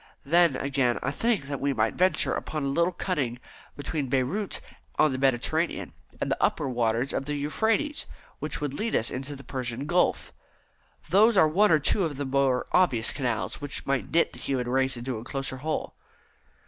Then, again, I think that we might venture upon a little cutting between Beirut, on the Mediterranean, and the upper waters of the Euphrates, which would lead us into the Persian Gulf. Those are one or two of the more obvious canals which might knit the human race into a closer whole."